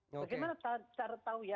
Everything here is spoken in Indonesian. bagaimana cara tahu ya